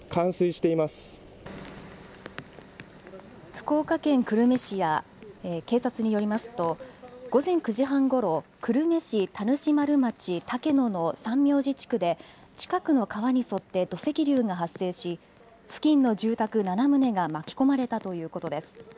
福岡県久留米市や警察によりますと午前９時半ごろ久留米市田主丸町竹野の三明寺地区で近くの川に沿って土石流が発生し付近の住宅７棟が巻き込まれたということです。